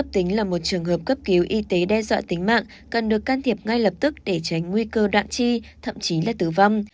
tính là một trường hợp cấp cứu y tế đe dọa tính mạng cần được can thiệp ngay lập tức để tránh nguy cơ đạn chi thậm chí là tử vong